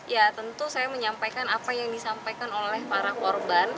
ya tentu saya menyampaikan apa yang disampaikan oleh para korban